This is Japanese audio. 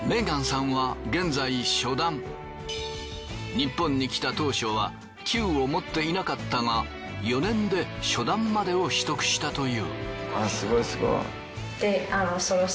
ニッポンに来た当初は級を持っていなかったが４年で初段までを取得したという。